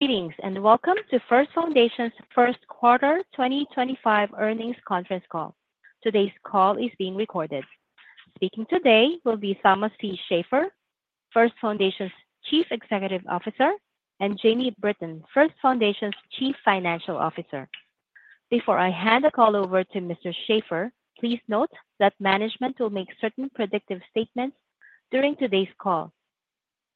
Greetings and welcome to First Foundation's first quarter 2025 earnings conference call. Today's call is being recorded. Speaking today will be Thomas C. Shafer, First Foundation's Chief Executive Officer, and Jamie Britton, First Foundation's Chief Financial Officer. Before I hand the call over to Mr. Shafer, please note that management will make certain predictive statements during today's call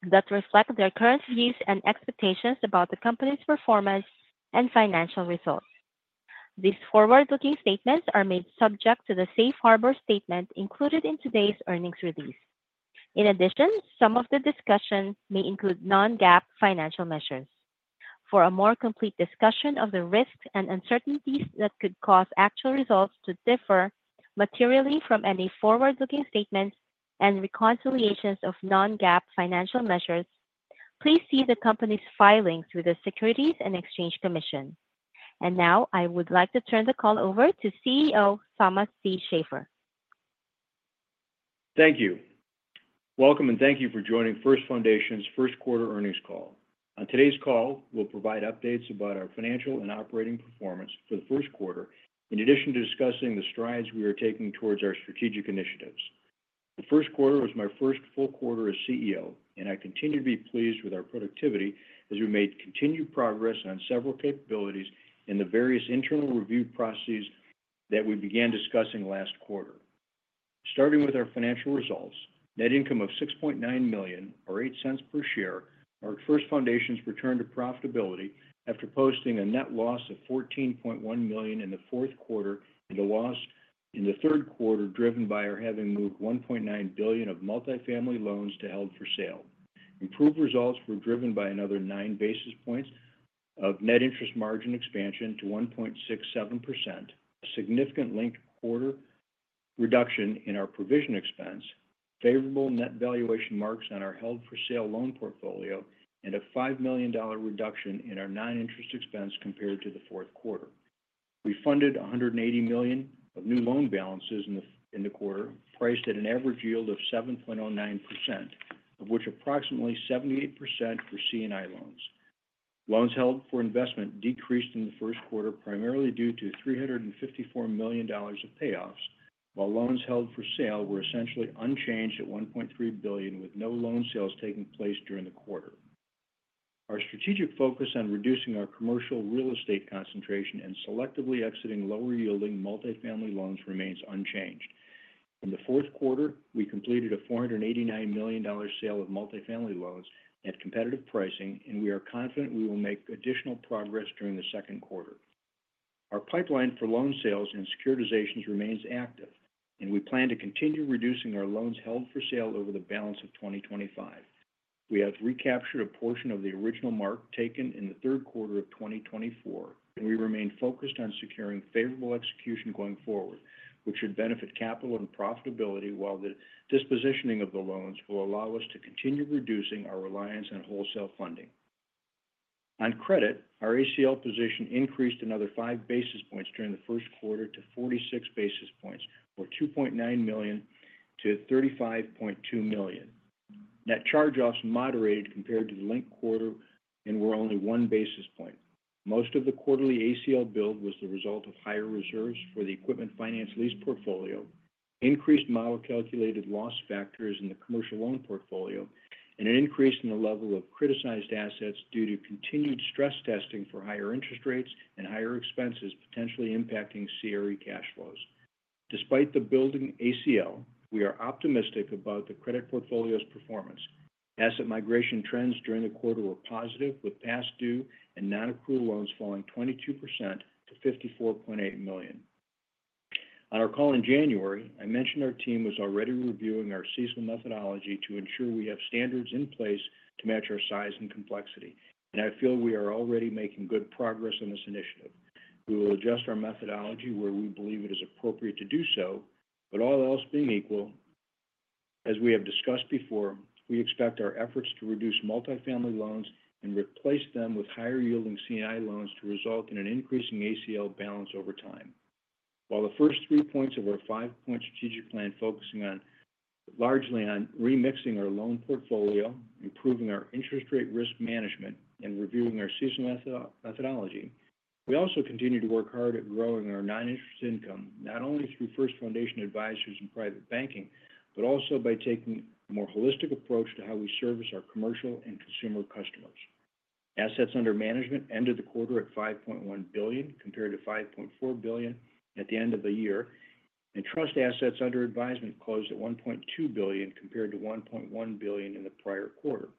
that reflect their current views and expectations about the company's performance and financial results. These forward-looking statements are made subject to the Safe Harbor Statement included in today's earnings release. In addition, some of the discussion may include non-GAAP financial measures. For a more complete discussion of the risks and uncertainties that could cause actual results to differ materially from any forward-looking statements and reconciliations of non-GAAP financial measures, please see the company's filings with the Securities and Exchange Commission. I would like to turn the call over to CEO Thomas C. Shafer. Thank you. Welcome and thank you for joining First Foundation's first quarter earnings call. On today's call, we'll provide updates about our financial and operating performance for the first quarter, in addition to discussing the strides we are taking towards our strategic initiatives. The first quarter was my first full quarter as CEO, and I continue to be pleased with our productivity as we made continued progress on several capabilities in the various internal review processes that we began discussing last quarter. Starting with our financial results, net income of $6.9 million, or $0.08 per share, marked First Foundation's return to profitability after posting a net loss of $14.1 million in the fourth quarter and a loss in the third quarter driven by our having moved $1.9 billion of multifamily loans to held for sale. Improved results were driven by another nine basis points of net interest margin expansion to 1.67%, a significant linked quarter reduction in our provision expense, favorable net valuation marks on our held-for-sale loan portfolio, and a $5 million reduction in our non-interest expense compared to the fourth quarter. We funded $180 million of new loan balances in the quarter, priced at an average yield of 7.09%, of which approximately 78% were C&I loans. Loans held for investment decreased in the first quarter primarily due to $354 million of payoffs, while loans held for sale were essentially unchanged at $1.3 billion, with no loan sales taking place during the quarter. Our strategic focus on reducing our commercial real estate concentration and selectively exiting lower-yielding multifamily loans remains unchanged. In the fourth quarter, we completed a $489 million sale of multifamily loans at competitive pricing, and we are confident we will make additional progress during the second quarter. Our pipeline for loan sales and securitizations remains active, and we plan to continue reducing our loans held for sale over the balance of 2025. We have recaptured a portion of the original mark taken in the third quarter of 2024, and we remain focused on securing favorable execution going forward, which should benefit capital and profitability while the dispositioning of the loans will allow us to continue reducing our reliance on wholesale funding. On credit, our ACL position increased another five basis points during the first quarter to 46 basis points, or $2.9 million to $35.2 million. Net charge-offs moderated compared to the linked quarter and were only one basis point. Most of the quarterly ACL build was the result of higher reserves for the equipment finance lease portfolio, increased model-calculated loss factors in the commercial loan portfolio, and an increase in the level of criticized assets due to continued stress testing for higher interest rates and higher expenses potentially impacting CRE cash flows. Despite the building ACL, we are optimistic about the credit portfolio's performance. Asset migration trends during the quarter were positive, with past due and non-accrual loans falling 22% to $54.8 million. On our call in January, I mentioned our team was already reviewing our seasonal methodology to ensure we have standards in place to match our size and complexity, and I feel we are already making good progress on this initiative. We will adjust our methodology where we believe it is appropriate to do so, but all else being equal, as we have discussed before, we expect our efforts to reduce multifamily loans and replace them with higher-yielding C&I loans to result in an increasing ACL balance over time. While the first three points of our five-point strategic plan focus largely on remixing our loan portfolio, improving our interest rate risk management, and reviewing our seasonal methodology, we also continue to work hard at growing our non-interest income not only through First Foundation Advisors and private banking, but also by taking a more holistic approach to how we service our commercial and consumer customers. Assets under management ended the quarter at $5.1 billion compared to $5.4 billion at the end of the year, and trust assets under advisement closed at $1.2 billion compared to $1.1 billion in the prior quarter.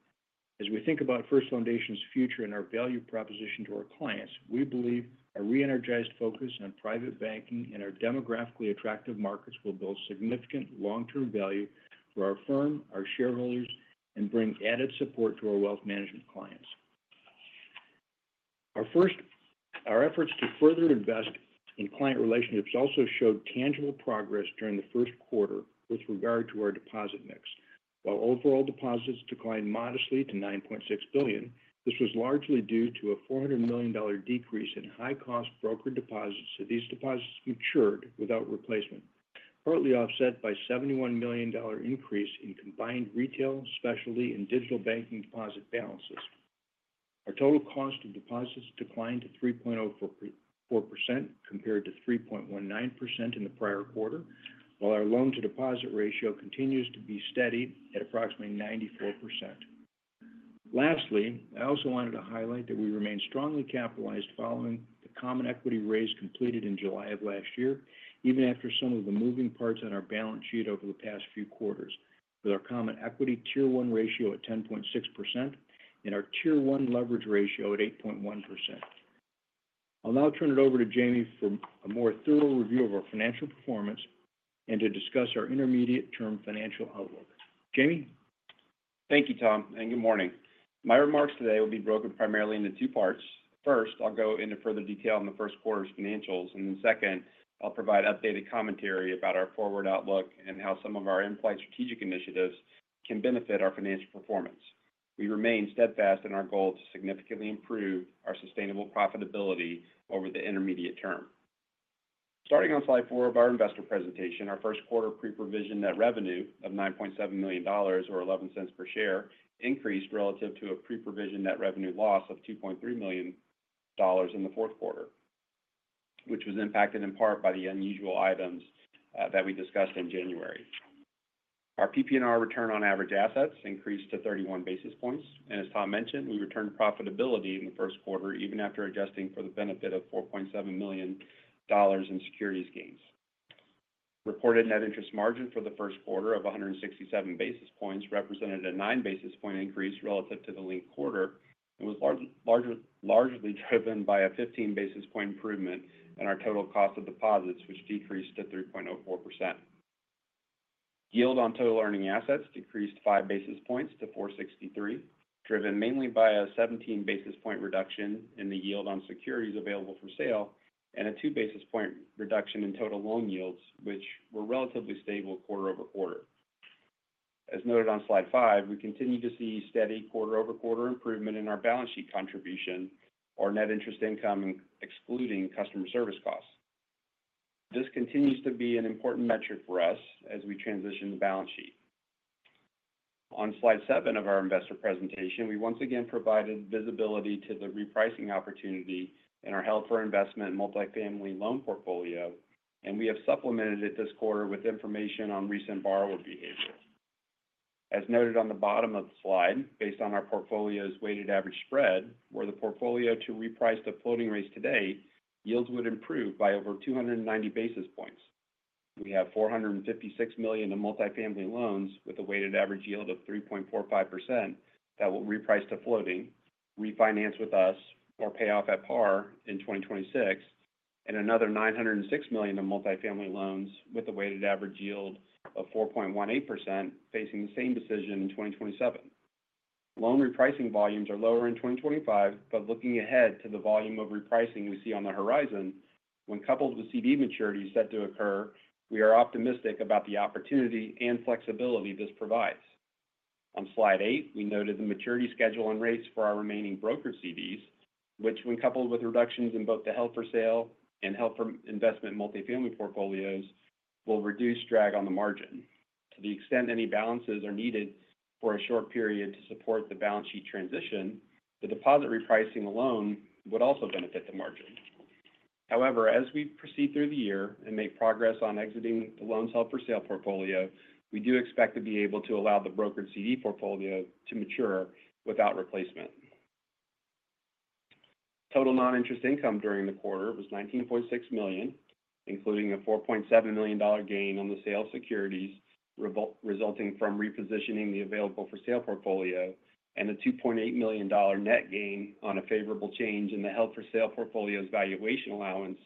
As we think about First Foundation's future and our value proposition to our clients, we believe our re-energized focus on private banking and our demographically attractive markets will build significant long-term value for our firm, our shareholders, and bring added support to our wealth management clients. Our efforts to further invest in client relationships also showed tangible progress during the first quarter with regard to our deposit mix. While overall deposits declined modestly to $9.6 billion, this was largely due to a $40 million decrease in high-cost brokered deposits as these deposits matured without replacement, partly offset by a $71 million increase in combined retail, specialty, and digital banking deposit balances. Our total cost of deposits declined to 3.04% compared to 3.19% in the prior quarter, while our loan-to-deposit ratio continues to be steady at approximately 94%. Lastly, I also wanted to highlight that we remain strongly capitalized following the common equity raise completed in July of last year, even after some of the moving parts on our balance sheet over the past few quarters, with our common equity tier-one ratio at 10.6% and our tier-one leverage ratio at 8.1%. I'll now turn it over to Jamie for a more thorough review of our financial performance and to discuss our intermediate-term financial outlook. Jamie? Thank you, Tom, and good morning. My remarks today will be broken primarily into two parts. First, I'll go into further detail on the first quarter's financials, and then second, I'll provide updated commentary about our forward outlook and how some of our end-plate strategic initiatives can benefit our financial performance. We remain steadfast in our goal to significantly improve our sustainable profitability over the intermediate term. Starting on slide four of our investor presentation, our first quarter pre-provision net revenue of $9.7 million, or $0.11 per share, increased relative to a pre-provision net revenue loss of $2.3 million in the fourth quarter, which was impacted in part by the unusual items that we discussed in January. Our PPNR return on average assets increased to 31 basis points, and as Tom mentioned, we returned profitability in the first quarter even after adjusting for the benefit of $4.7 million in securities gains. Reported net interest margin for the first quarter of 167 basis points represented a 9 basis point increase relative to the linked quarter and was largely driven by a 15 basis point improvement in our total cost of deposits, which decreased to 3.04%. Yield on total earning assets decreased 5 basis points to 4.63%, driven mainly by a 17 basis point reduction in the yield on securities available for sale and a 2 basis point reduction in total loan yields, which were relatively stable quarter-over-quarter. As noted on slide five, we continue to see steady quarter-over-quarter improvement in our balance sheet contribution, our net interest income excluding customer service costs. This continues to be an important metric for us as we transition the balance sheet. On slide seven of our investor presentation, we once again provided visibility to the repricing opportunity in our held for investment multifamily loan portfolio, and we have supplemented it this quarter with information on recent borrower behavior. As noted on the bottom of the slide, based on our portfolio's weighted average spread, were the portfolio to reprice to floating rates today, yields would improve by over 290 basis points. We have $456 million of multifamily loans with a weighted average yield of 3.45% that will reprice to floating, refinance with us, or pay off at par in 2026, and another $906 million of multifamily loans with a weighted average yield of 4.18% facing the same decision in 2027. Loan repricing volumes are lower in 2025, but looking ahead to the volume of repricing we see on the horizon, when coupled with CD maturities set to occur, we are optimistic about the opportunity and flexibility this provides. On slide eight, we noted the maturity schedule and rates for our remaining brokered CDs, which, when coupled with reductions in both the held for sale and held for investment multifamily portfolios, will reduce drag on the margin. To the extent any balances are needed for a short period to support the balance sheet transition, the deposit repricing alone would also benefit the margin. However, as we proceed through the year and make progress on exiting the loans held for sale portfolio, we do expect to be able to allow the brokered CD portfolio to mature without replacement. Total non-interest income during the quarter was $19.6 million, including a $4.7 million gain on the sale of securities resulting from repositioning the available for sale portfolio and a $2.8 million net gain on a favorable change in the held for sale portfolio's valuation allowance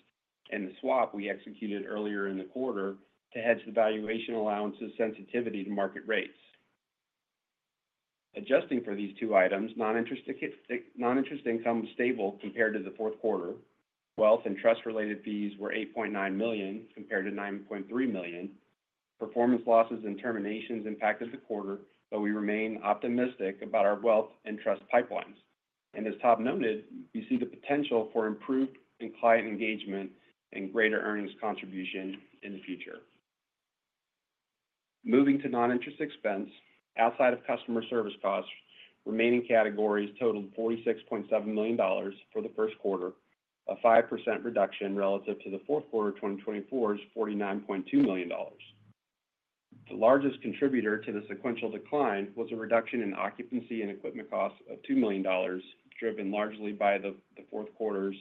and the swap we executed earlier in the quarter to hedge the valuation allowance's sensitivity to market rates. Adjusting for these two items, non-interest income was stable compared to the fourth quarter. Wealth and trust-related fees were $8.9 million compared to $9.3 million. Performance losses and terminations impacted the quarter, but we remain optimistic about our wealth and trust pipelines. As Tom noted, we see the potential for improved client engagement and greater earnings contribution in the future. Moving to non-interest expense, outside of customer service costs, remaining categories totaled $46.7 million for the first quarter, a 5% reduction relative to the fourth quarter of 2024's $49.2 million. The largest contributor to the sequential decline was a reduction in occupancy and equipment costs of $2 million, driven largely by the fourth quarter's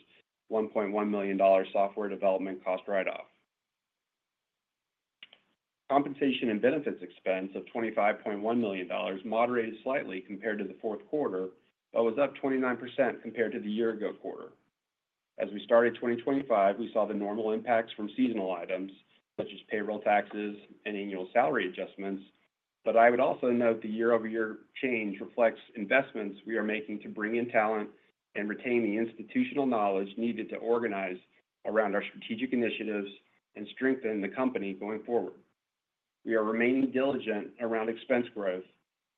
$1.1 million software development cost write-off. Compensation and benefits expense of $25.1 million moderated slightly compared to the fourth quarter, but was up 29% compared to the year-ago quarter. As we started 2025, we saw the normal impacts from seasonal items such as payroll taxes and annual salary adjustments. I would also note the year-over-year change reflects investments we are making to bring in talent and retain the institutional knowledge needed to organize around our strategic initiatives and strengthen the company going forward. We are remaining diligent around expense growth,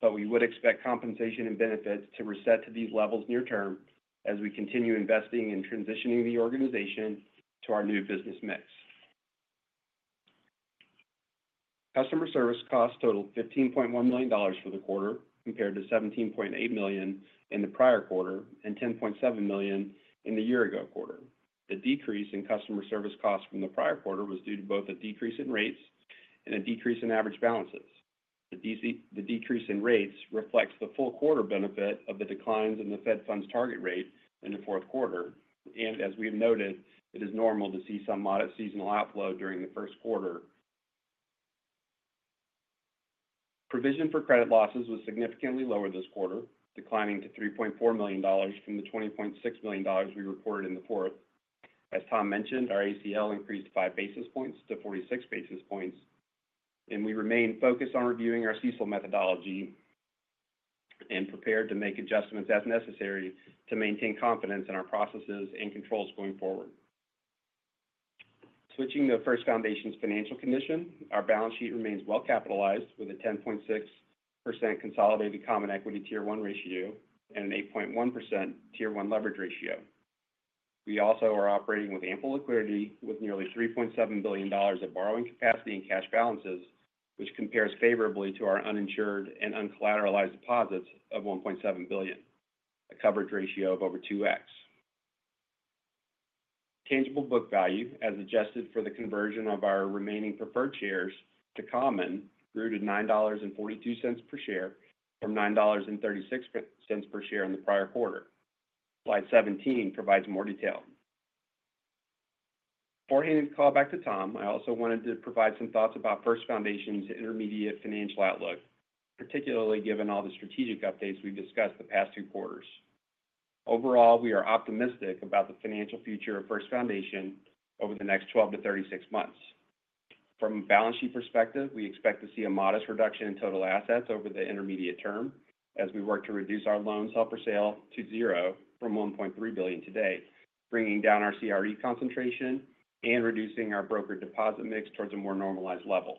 but we would expect compensation and benefits to reset to these levels near-term as we continue investing and transitioning the organization to our new business mix. Customer service costs totaled $15.1 million for the quarter compared to $17.8 million in the prior quarter and $10.7 million in the year-ago quarter. The decrease in customer service costs from the prior quarter was due to both a decrease in rates and a decrease in average balances. The decrease in rates reflects the full quarter benefit of the declines in the Fed Funds target rate in the fourth quarter, and as we have noted, it is normal to see some modest seasonal outflow during the first quarter. Provision for credit losses was significantly lower this quarter, declining to $3.4 million from the $20.6 million we reported in the fourth. As Tom mentioned, our ACL increased 5 basis points to 46 basis points, and we remain focused on reviewing our CECL methodology and prepared to make adjustments as necessary to maintain confidence in our processes and controls going forward. Switching to First Foundation's financial condition, our balance sheet remains well-capitalized with a 10.6% consolidated common equity tier 1 ratio and an 8.1% tier 1 leverage ratio. We also are operating with ample liquidity with nearly $3.7 billion of borrowing capacity and cash balances, which compares favorably to our uninsured and uncollateralized deposits of $1.7 billion, a coverage ratio of over 2x. Tangible book value, as adjusted for the conversion of our remaining preferred shares to common, grew to $9.42 per share from $9.36 per share in the prior quarter. Slide 17 provides more detail. Before handing the call back to Tom, I also wanted to provide some thoughts about First Foundation's intermediate financial outlook, particularly given all the strategic updates we've discussed the past two quarters. Overall, we are optimistic about the financial future of First Foundation over the next 12 to 36 months. From a balance sheet perspective, we expect to see a modest reduction in total assets over the intermediate term as we work to reduce our loans held for sale to zero from $1.3 billion today, bringing down our CRE concentration and reducing our brokered deposit mix towards a more normalized level.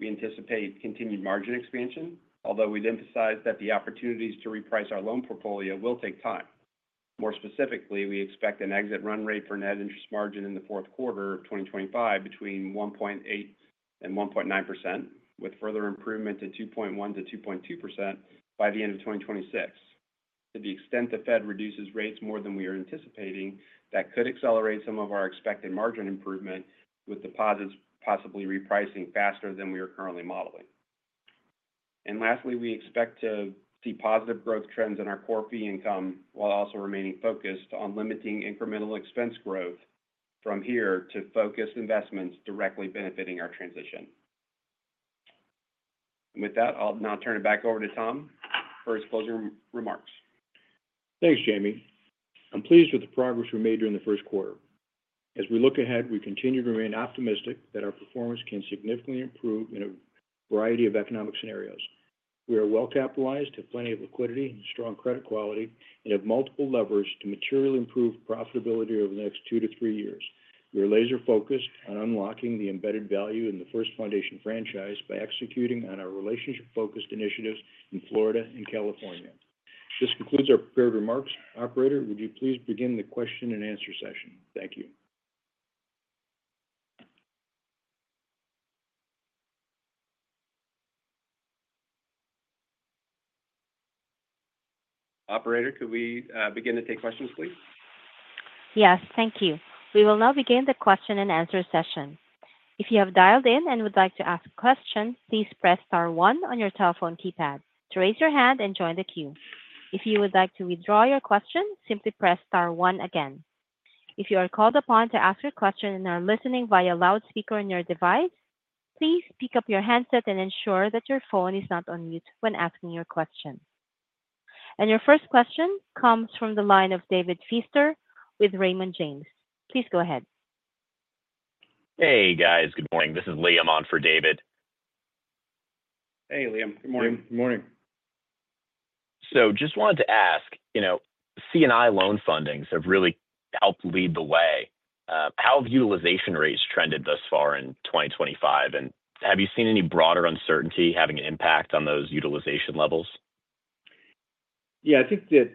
We anticipate continued margin expansion, although we'd emphasize that the opportunities to reprice our loan portfolio will take time. More specifically, we expect an exit run rate for net interest margin in the fourth quarter of 2025 between 1.8-1.9%, with further improvement to 2.1-2.2% by the end of 2026. To the extent the Fed reduces rates more than we are anticipating, that could accelerate some of our expected margin improvement, with deposits possibly repricing faster than we are currently modeling. Lastly, we expect to see positive growth trends in our core fee income while also remaining focused on limiting incremental expense growth from here to focused investments directly benefiting our transition. With that, I'll now turn it back over to Tom for his closing remarks. Thanks, Jamie. I'm pleased with the progress we made during the first quarter. As we look ahead, we continue to remain optimistic that our performance can significantly improve in a variety of economic scenarios. We are well-capitalized, have plenty of liquidity, strong credit quality, and have multiple levers to materially improve profitability over the next two to three years. We are laser-focused on unlocking the embedded value in the First Foundation franchise by executing on our relationship-focused initiatives in Florida and California. This concludes our prepared remarks. Operator, would you please begin the Q&A session? Thank you. Operator, could we begin to take questions, please? Yes, thank you. We will now begin the Q&A session. If you have dialed in and would like to ask a question, please press star one on your telephone keypad to raise your hand and join the queue. If you would like to withdraw your question, simply press star one again. If you are called upon to ask your question and are listening via loudspeaker on your device, please pick up your handset and ensure that your phone is not on mute when asking your question. Your first question comes from the line of David Feaster with Raymond James. Please go ahead. Hey, guys. Good morning. This is Liam on for David. Hey, Liam. Good morning. Good morning. I just wanted to ask, C&I loan fundings have really helped lead the way. How have utilization rates trended thus far in 2025? Have you seen any broader uncertainty having an impact on those utilization levels? Yeah, I think that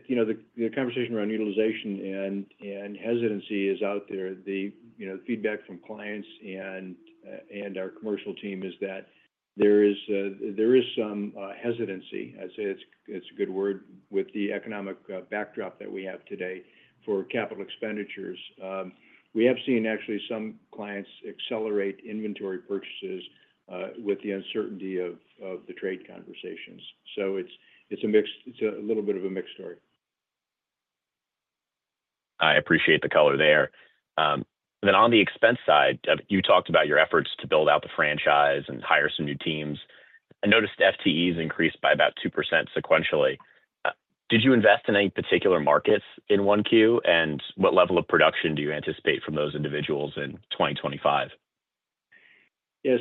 the conversation around utilization and hesitancy is out there. The feedback from clients and our commercial team is that there is some hesitancy, I'd say it's a good word, with the economic backdrop that we have today for capital expenditures. We have seen actually some clients accelerate inventory purchases with the uncertainty of the trade conversations. It is a little bit of a mixed story. I appreciate the color there. On the expense side, you talked about your efforts to build out the franchise and hire some new teams. I noticed FTEs increased by about 2% sequentially. Did you invest in any particular markets in one Q, and what level of production do you anticipate from those individuals in 2025? Yeah,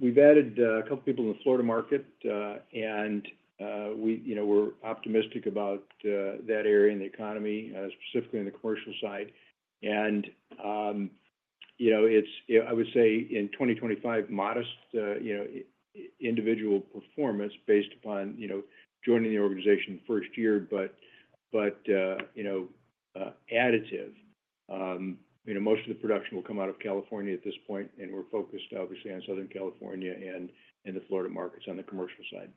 we've added a couple of people in the Florida market, and we're optimistic about that area in the economy, specifically in the commercial side. I would say in 2025, modest individual performance based upon joining the organization first year, but additive. Most of the production will come out of California at this point, and we're focused, obviously, on Southern California and the Florida markets on the commercial side.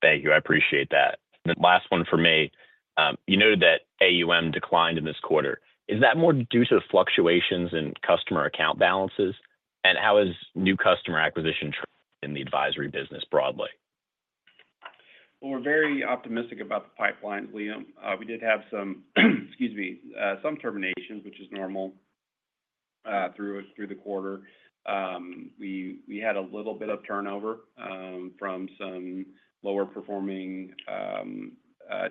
Thank you. I appreciate that. Last one for me. You noted that AUM declined in this quarter. Is that more due to fluctuations in customer account balances? How has new customer acquisition in the advisory business broadly? We are very optimistic about the pipelines, Liam. We did have some, excuse me, some terminations, which is normal through the quarter. We had a little bit of turnover from some lower-performing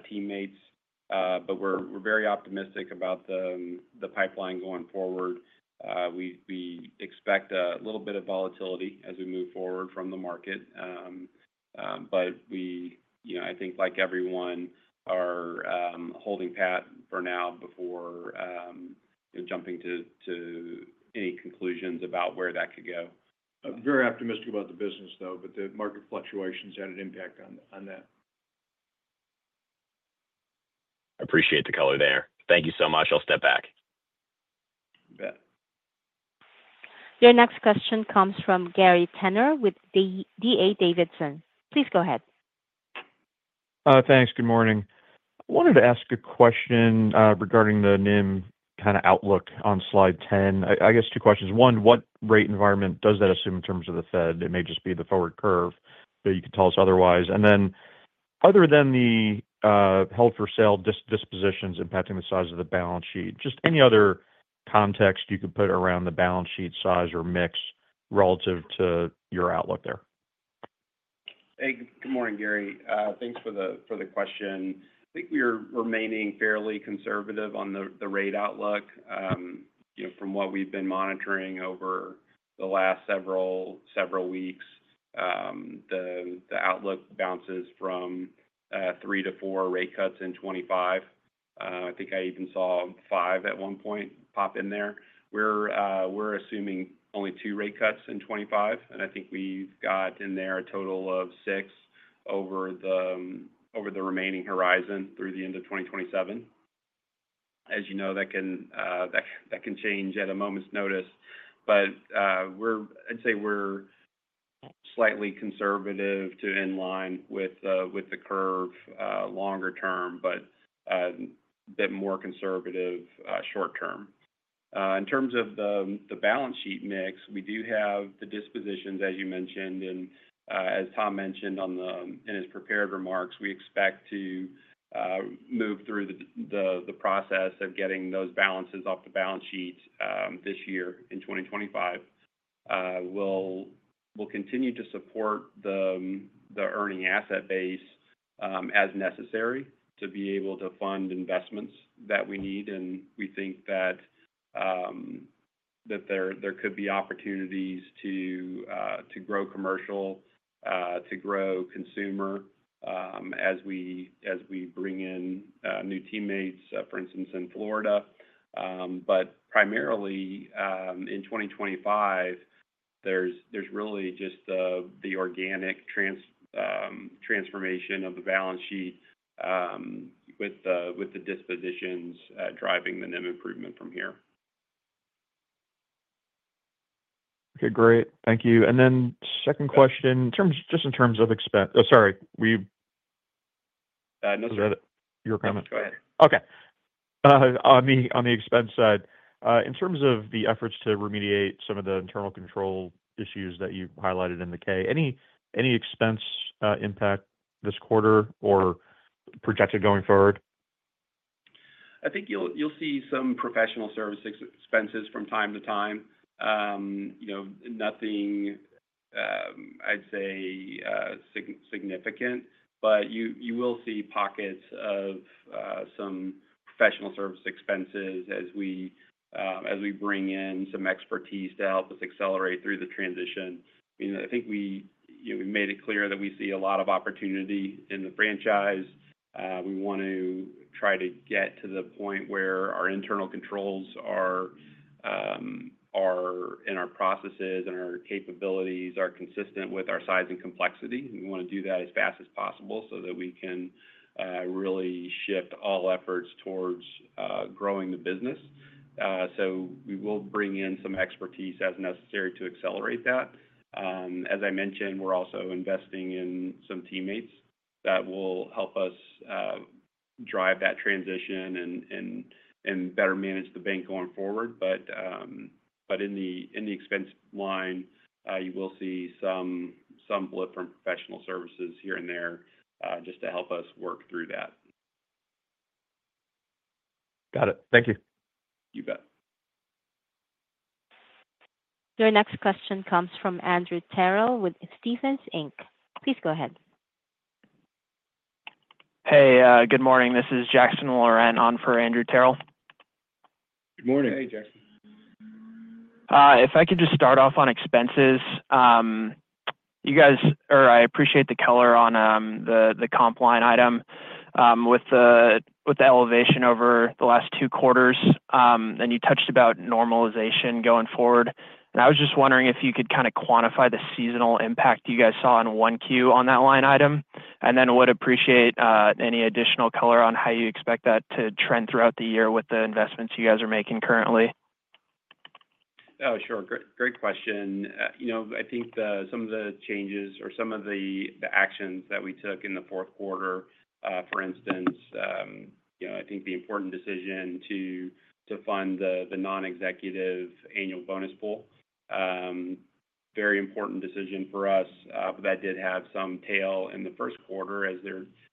teammates, but we are very optimistic about the pipeline going forward. We expect a little bit of volatility as we move forward from the market. I think, like everyone, we are holding pat for now before jumping to any conclusions about where that could go. Very optimistic about the business, though, but the market fluctuations had an impact on that. I appreciate the color there. Thank you so much. I'll step back. You bet. Your next question comes from Gary Tenner with D.A. Davidson. Please go ahead. Thanks. Good morning. I wanted to ask a question regarding the NIM kind of outlook on slide 10. I guess two questions. One, what rate environment does that assume in terms of the Fed? It may just be the forward curve, but you could tell us otherwise. Other than the held for sale dispositions impacting the size of the balance sheet, just any other context you could put around the balance sheet size or mix relative to your outlook there? Hey, good morning, Gary. Thanks for the question. I think we're remaining fairly conservative on the rate outlook. From what we've been monitoring over the last several weeks, the outlook bounces from three to four rate cuts in 2025. I think I even saw five at one point pop in there. We're assuming only two rate cuts in 2025, and I think we've got in there a total of six over the remaining horizon through the end of 2027. As you know, that can change at a moment's notice. I'd say we're slightly conservative to in line with the curve longer term, but a bit more conservative short term. In terms of the balance sheet mix, we do have the dispositions, as you mentioned, and as Tom mentioned in his prepared remarks, we expect to move through the process of getting those balances off the balance sheet this year in 2025. We'll continue to support the earning asset base as necessary to be able to fund investments that we need, and we think that there could be opportunities to grow commercial, to grow consumer as we bring in new teammates, for instance, in Florida. Primarily in 2025, there's really just the organic transformation of the balance sheet with the dispositions driving the NIM improvement from here. Okay, great. Thank you. Second question, just in terms of expense—oh, sorry. No, sir. Your comment. Go ahead. Okay. On the expense side, in terms of the efforts to remediate some of the internal control issues that you highlighted in the K, any expense impact this quarter or projected going forward? I think you'll see some professional service expenses from time to time. Nothing, I'd say, significant, but you will see pockets of some professional service expenses as we bring in some expertise to help us accelerate through the transition. I think we made it clear that we see a lot of opportunity in the franchise. We want to try to get to the point where our internal controls are in our processes and our capabilities are consistent with our size and complexity. We want to do that as fast as possible so that we can really shift all efforts towards growing the business. We will bring in some expertise as necessary to accelerate that. As I mentioned, we're also investing in some teammates that will help us drive that transition and better manage the bank going forward. In the expense line, you will see some blip from professional services here and there just to help us work through that. Got it. Thank you. You bet. Your next question comes from Andrew Terrell with Stephens Inc. Please go ahead. Hey, good morning. This is Jackson Laurent on for Andrew Terrell. Good morning. Hey, Jackson. If I could just start off on expenses, you guys—I appreciate the color on the comp line item—with the elevation over the last two quarters. You touched about normalization going forward. I was just wondering if you could kind of quantify the seasonal impact you guys saw in one Q on that line item. I would appreciate any additional color on how you expect that to trend throughout the year with the investments you guys are making currently? Oh, sure. Great question. I think some of the changes or some of the actions that we took in the fourth quarter, for instance, I think the important decision to fund the non-executive annual bonus pool, very important decision for us. That did have some tail in the first quarter as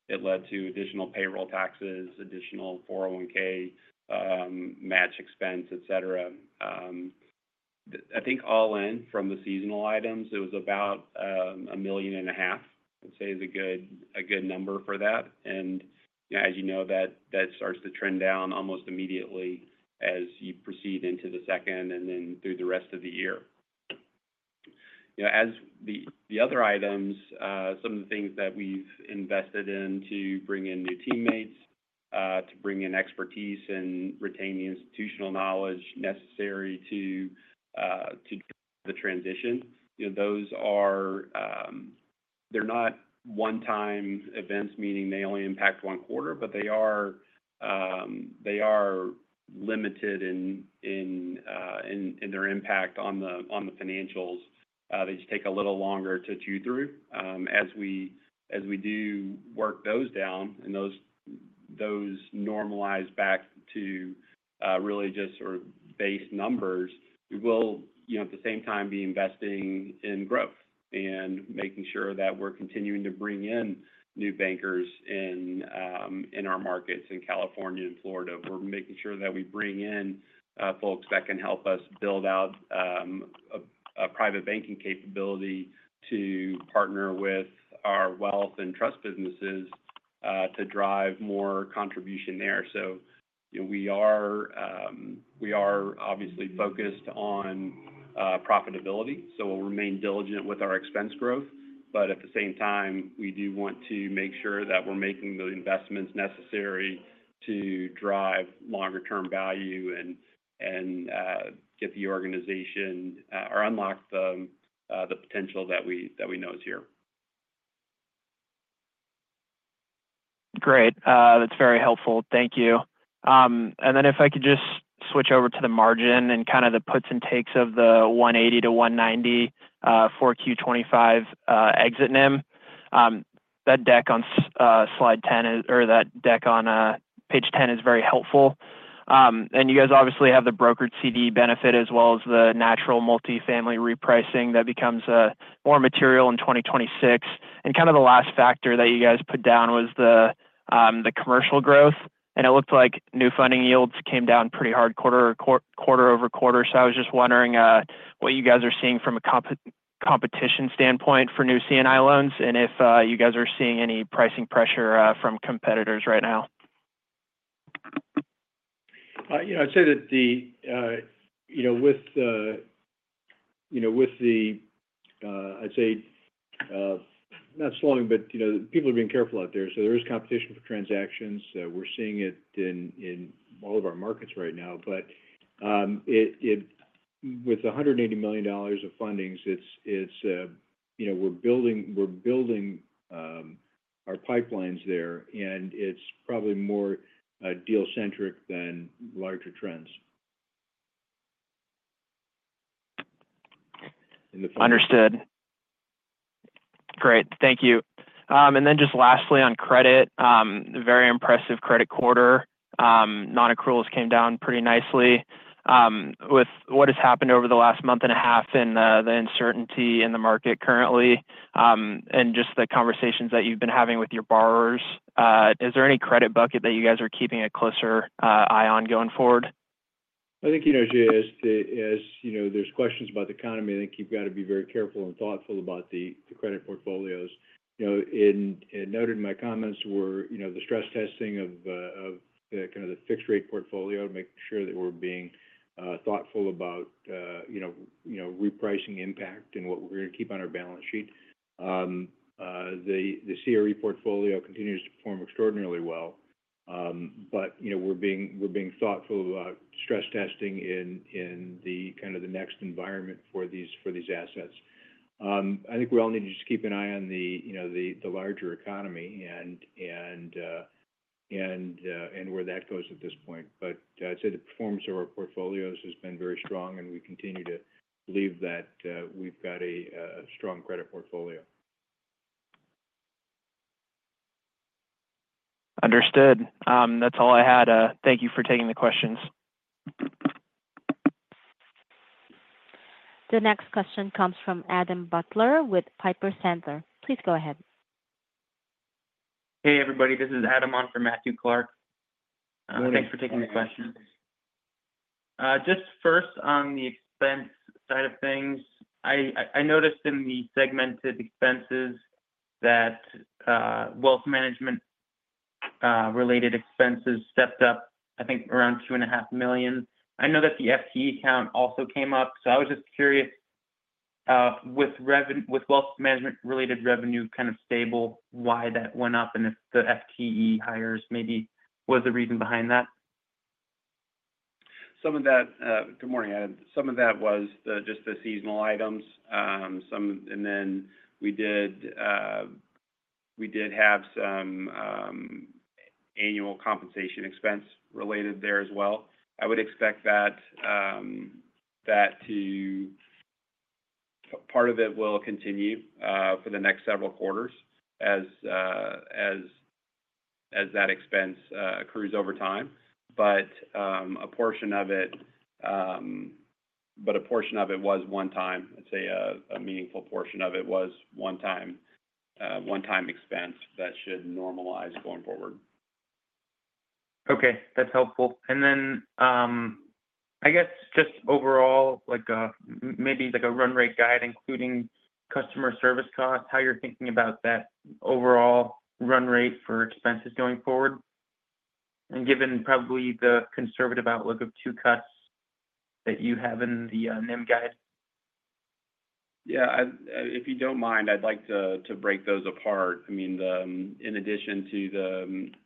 it led to additional payroll taxes, additional 401(k) match expense, etc. I think all in from the seasonal items, it was about $1.5 million, I'd say, is a good number for that. As you know, that starts to trend down almost immediately as you proceed into the second and then through the rest of the year. As the other items, some of the things that we've invested in to bring in new teammates, to bring in expertise, and retain the institutional knowledge necessary to the transition, those are—they're not one-time events, meaning they only impact one quarter, but they are limited in their impact on the financials. They just take a little longer to chew through. As we do work those down and those normalize back to really just sort of base numbers, we will, at the same time, be investing in growth and making sure that we're continuing to bring in new bankers in our markets in California and Florida. We're making sure that we bring in folks that can help us build out a private banking capability to partner with our wealth and trust businesses to drive more contribution there. We are obviously focused on profitability. We will remain diligent with our expense growth. At the same time, we do want to make sure that we are making the investments necessary to drive longer-term value and get the organization or unlock the potential that we know is here. Great. That's very helpful. Thank you. If I could just switch over to the margin and kind of the puts and takes of the 180-190 for Q25 exit NIM, that deck on slide 10 or that deck on page 10 is very helpful. You guys obviously have the brokered CD benefit as well as the natural multifamily repricing that becomes more material in 2026. The last factor that you guys put down was the commercial growth. It looked like new funding yields came down pretty hard quarter over quarter. I was just wondering what you guys are seeing from a competition standpoint for new C&I loans and if you guys are seeing any pricing pressure from competitors right now? I'd say that with the, I'd say not slowing, but people are being careful out there. There is competition for transactions. We're seeing it in all of our markets right now. With $180 million of fundings, we're building our pipelines there, and it's probably more deal-centric than larger trends. Understood. Great. Thank you. Just lastly on credit, very impressive credit quarter. Non-accruals came down pretty nicely. With what has happened over the last month and a half and the uncertainty in the market currently and just the conversations that you've been having with your borrowers, is there any credit bucket that you guys are keeping a closer eye on going forward? I think as there's questions about the economy, I think you've got to be very careful and thoughtful about the credit portfolios. Noted in my comments were the stress testing of kind of the fixed-rate portfolio to make sure that we're being thoughtful about repricing impact and what we're going to keep on our balance sheet. The CRE portfolio continues to perform extraordinarily well. We are being thoughtful about stress testing in kind of the next environment for these assets. I think we all need to just keep an eye on the larger economy and where that goes at this point. I'd say the performance of our portfolios has been very strong, and we continue to believe that we've got a strong credit portfolio. Understood. That's all I had. Thank you for taking the questions. The next question comes from Adam Butler with Piper Sandler. Please go ahead. Hey, everybody. This is Adam on for Matthew Clark. Thanks for taking the question. Just first, on the expense side of things, I noticed in the segmented expenses that wealth management-related expenses stepped up, I think, around $2.5 million. I know that the FTE count also came up. I was just curious, with wealth management-related revenue kind of stable, why that went up and if the FTE hires maybe was the reason behind that? Good morning, Adam. Some of that was just the seasonal items. We did have some annual compensation expense related there as well. I would expect that part of it will continue for the next several quarters as that expense accrues over time. A portion of it was one time. I would say a meaningful portion of it was one-time expense that should normalize going forward. Okay. That's helpful. I guess just overall, maybe a run rate guide, including customer service costs, how you're thinking about that overall run rate for expenses going forward, and given probably the conservative outlook of two cuts that you have in the NIM guide? Yeah. If you do not mind, I would like to break those apart. I mean, in addition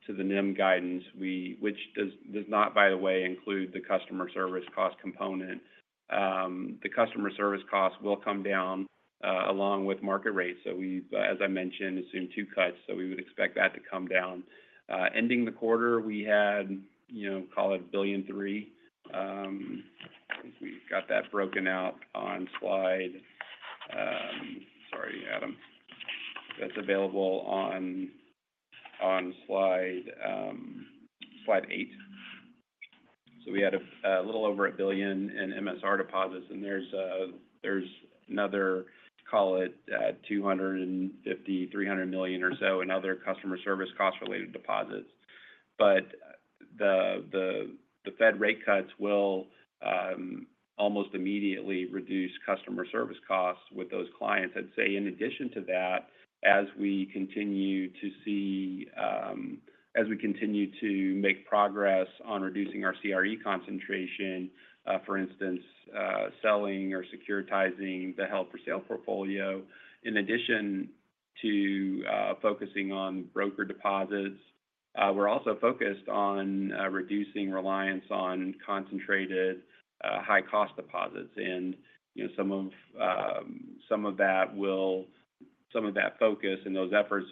to the NIM guidance, which does not, by the way, include the customer service cost component, the customer service costs will come down along with market rates. We, as I mentioned, assumed two cuts. We would expect that to come down. Ending the quarter, we had, call it, $1.3 billion. I think we have that broken out on slide—sorry, Adam—that is available on slide eight. We had a little over $1 billion in MSR deposits. There is another, call it, $250 million-$300 million or so in other customer service cost-related deposits. The Fed rate cuts will almost immediately reduce customer service costs with those clients. I'd say, in addition to that, as we continue to see—as we continue to make progress on reducing our CRE concentration, for instance, selling or securitizing the held for sale portfolio, in addition to focusing on brokered deposits, we're also focused on reducing reliance on concentrated high-cost deposits. Some of that focus and those efforts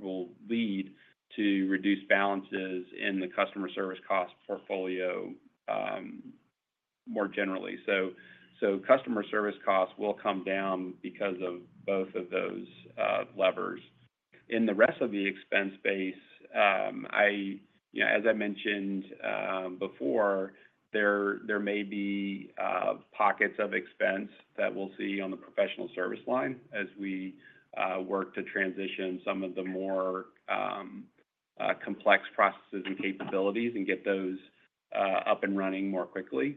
will lead to reduced balances in the customer service cost portfolio more generally. Customer service costs will come down because of both of those levers. In the rest of the expense space, as I mentioned before, there may be pockets of expense that we'll see on the professional service line as we work to transition some of the more complex processes and capabilities and get those up and running more quickly.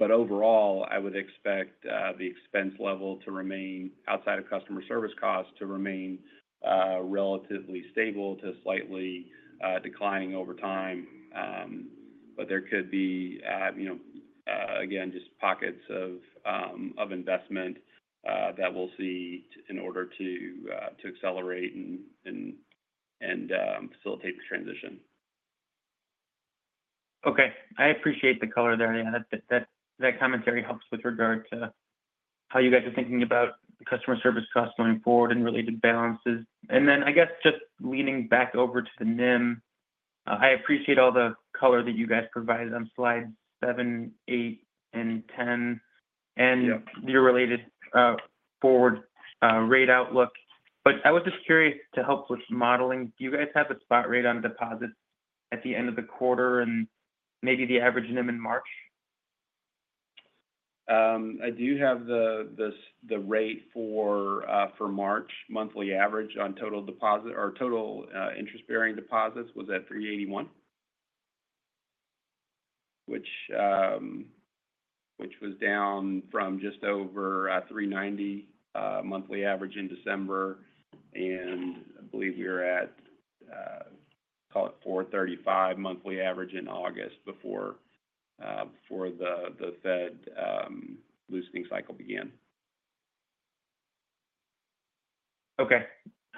Overall, I would expect the expense level to remain, outside of customer service costs, to remain relatively stable to slightly declining over time. There could be, again, just pockets of investment that we'll see in order to accelerate and facilitate the transition. Okay. I appreciate the color there, Adam. That commentary helps with regard to how you guys are thinking about customer service costs going forward and related balances. I guess just leaning back over to the NIM, I appreciate all the color that you guys provided on slides seven, eight, and ten, and your related forward rate outlook. I was just curious to help with modeling. Do you guys have a spot rate on deposits at the end of the quarter and maybe the average NIM in March? I do have the rate for March, monthly average on total deposit or total interest-bearing deposits was at $3.81, which was down from just over $3.90 monthly average in December. I believe we were at, call it, $4.35 monthly average in August before the Fed loosening cycle began. Okay.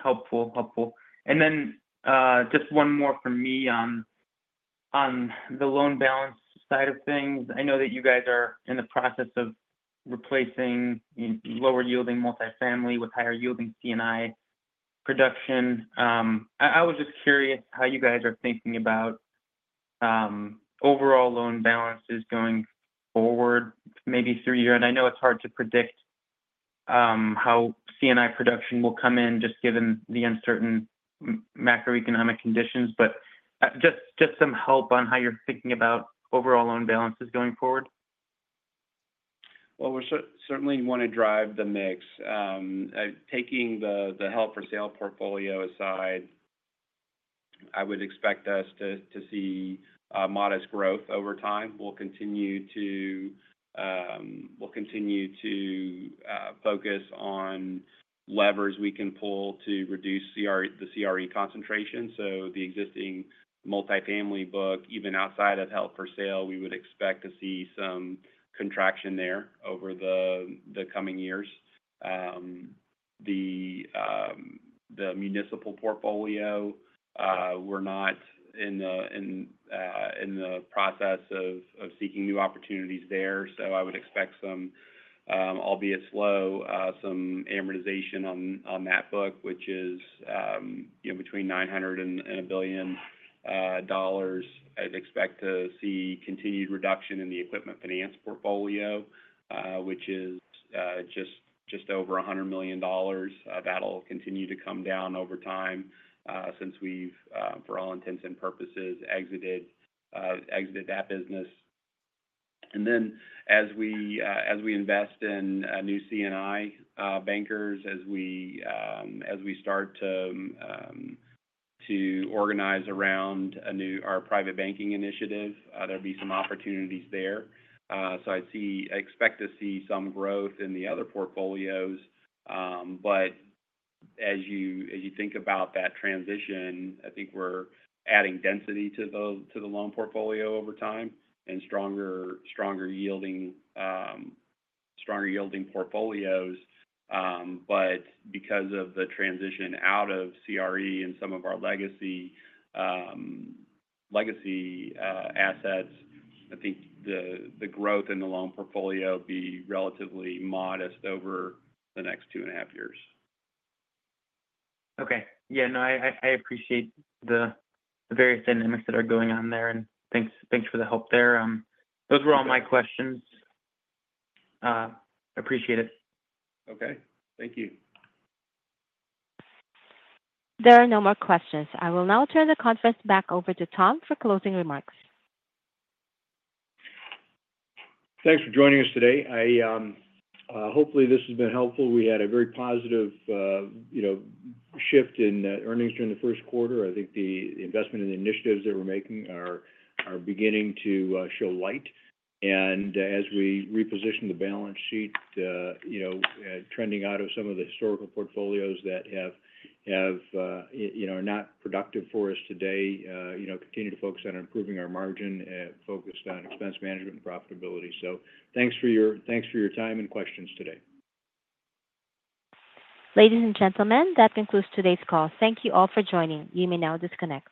Helpful. Helpful. Just one more from me on the loan balance side of things. I know that you guys are in the process of replacing lower-yielding multifamily with higher-yielding C&I production. I was just curious how you guys are thinking about overall loan balances going forward maybe through year. I know it's hard to predict how C&I production will come in just given the uncertain macroeconomic conditions. Just some help on how you're thinking about overall loan balances going forward? We certainly want to drive the mix. Taking the held for sale portfolio aside, I would expect us to see modest growth over time. We'll continue to focus on levers we can pull to reduce the CRE concentration. The existing multifamily book, even outside of held for sale, we would expect to see some contraction there over the coming years. The municipal portfolio, we're not in the process of seeking new opportunities there. I would expect some, albeit slow, amortization on that book, which is between $900 million and $1 billion. I'd expect to see continued reduction in the equipment finance portfolio, which is just over $100 million. That will continue to come down over time since we've, for all intents and purposes, exited that business. As we invest in new C&I bankers, as we start to organize around our private banking initiative, there'll be some opportunities there. I expect to see some growth in the other portfolios. As you think about that transition, I think we're adding density to the loan portfolio over time and stronger-yielding portfolios. Because of the transition out of CRE and some of our legacy assets, I think the growth in the loan portfolio will be relatively modest over the next two and a half years. Okay. Yeah. No, I appreciate the various dynamics that are going on there. Thanks for the help there. Those were all my questions. Appreciate it. Okay. Thank you. There are no more questions. I will now turn the conference back over to Tom for closing remarks. Thanks for joining us today. Hopefully, this has been helpful. We had a very positive shift in earnings during the first quarter. I think the investment in the initiatives that we're making are beginning to show light. As we reposition the balance sheet, trending out of some of the historical portfolios that are not productive for us today, we continue to focus on improving our margin, focused on expense management and profitability. Thanks for your time and questions today. Ladies and gentlemen, that concludes today's call. Thank you all for joining. You may now disconnect.